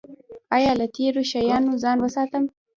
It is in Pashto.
ایا له تیرو شیانو ځان وساتم؟